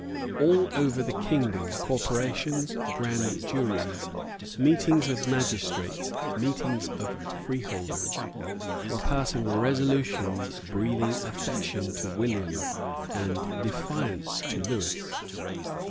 All over the kingdom, corporations, grand juries, meetings of magistrates, meetings of freeholders, were passing resolutions breathing affection to William, and defiance to Lewis.